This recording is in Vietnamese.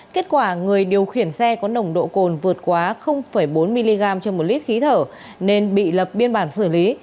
kết quả người điều khiển xe có nồng độ cồn vượt quá bốn mg trên một lít khí thở nên bị lập biên bản xử lý